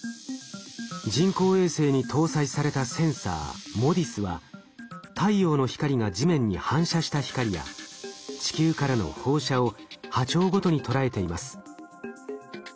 人工衛星に搭載されたセンサーＭＯＤＩＳは太陽の光が地面に反射した光や地球からの放射を波長ごとに捉えています。